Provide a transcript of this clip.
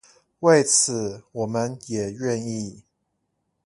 為此我們也願意